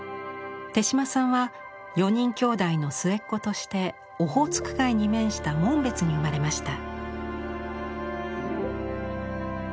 手島さんは四人兄妹の末っ子としてオホーツク海に面した紋別に生まれました。